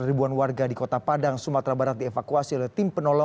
ribuan warga di kota padang sumatera barat dievakuasi oleh tim penolongan